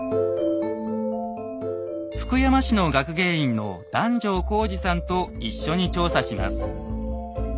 福山市の学芸員の檀上浩二さんと一緒に調査します。